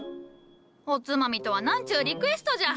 おつまみとは何ちゅうリクエストじゃ。